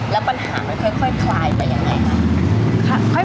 แล้วปัญหามันค่อยคลายไปอย่างไรครับ